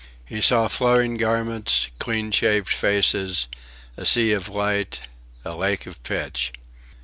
He saw flowing garments, clean shaved faces, a sea of light a lake of pitch.